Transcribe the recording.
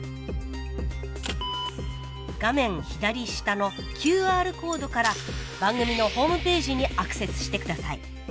画面左下のＱＲコードから番組のホームページにアクセスしてください。